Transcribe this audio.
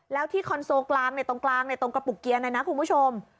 แล้วที่คอนโซลกลางตรงกลางตรงกระปุกเกียร์นะนะคุณผู้ชม